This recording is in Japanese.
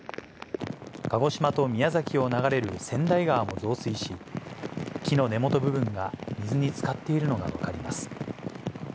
鹿児島と宮崎を流れる川内川も増水し、木の根元部分が水につかっているのが分かります。